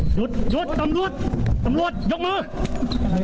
หยุดหยุดตำรวจตำรวจยกมือ